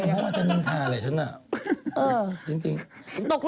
พี่หนิงมาบ่อยนะคะชอบเห็นมั้ยดูมีสาระหน่อย